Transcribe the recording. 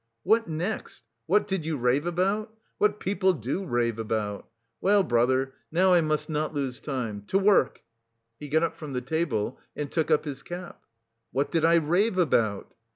"What next? What did you rave about? What people do rave about.... Well, brother, now I must not lose time. To work." He got up from the table and took up his cap. "What did I rave about?"